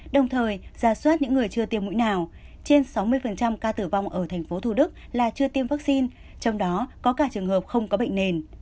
đồng thời ra soát những người chưa tiêm mũi nào trên sáu mươi ca tử vong ở thành phố thủ đức là chưa tiêm vaccine trong đó có cả trường hợp không có bệnh nền